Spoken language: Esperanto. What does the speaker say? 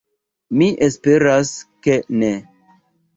Mi esperas, ke ne.